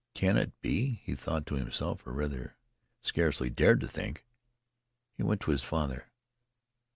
"Can it be ?" he thought to himself, or, rather, scarcely dared to think. He went to his father.